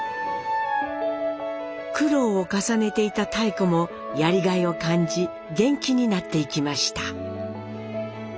苦労を重ねていた妙子もやりがいを感じ元気になっていきました。